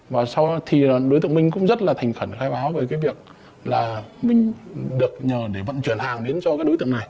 và sau đó thì đối tượng minh cũng rất là thành khẩn khai báo về cái việc là minh được nhờ để vận chuyển hàng đến cho các đối tượng này